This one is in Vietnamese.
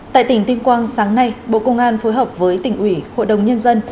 tại tỉnh tuyên quang sáng nay bộ công an phối hợp với tỉnh ủy hội đồng nhân dân